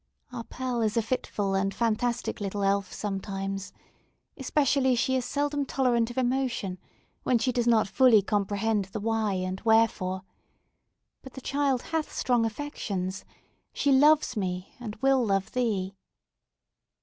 "Our Pearl is a fitful and fantastic little elf sometimes. Especially she is generally intolerant of emotion, when she does not fully comprehend the why and wherefore. But the child hath strong affections! She loves me, and will love thee!"